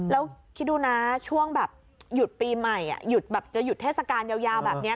แล้วคิดดูนะช่วงแบบหยุดปีใหม่หยุดแบบจะหยุดเทศกาลยาวแบบนี้